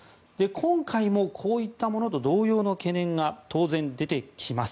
今回もこういったものと同様の懸念が当然出てきます。